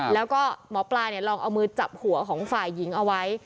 แล้วก็หมอปลาลองเอามือจับหัวของฝ่ายหญิงเอาไว้